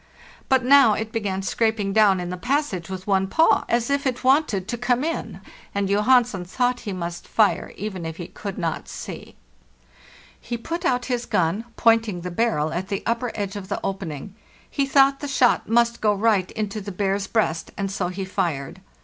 But now it began scraping down in the passage with one paw,'as if it wanted to come in, and Johansen thought he must fire, even if he could not see. He put out his gun, pointing the barrel at the upper edge of the opening; he thought the shot must go right into the bear's breast, and so he fired.